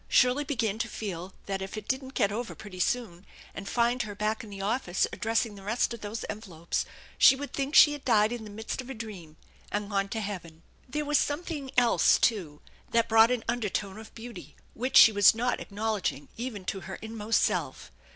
Shirley began to feel that if it didn't get over pretty soon and find her back in the office addressing the rest of those envelopes she would think she had died in the midst of a dream and gone to heaven. There was something else too that brought an undertone of beauty, which she was not acknowledging even to her inmost self.